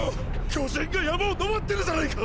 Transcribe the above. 巨人が山を登ってるじゃないか！！